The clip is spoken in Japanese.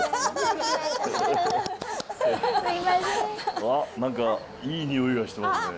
あっ何かいい匂いがしてますね。